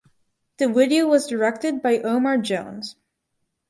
The video was directed by Omar Jones.